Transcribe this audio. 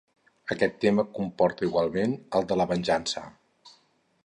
Aquest tema comporta igualment el de la venjança.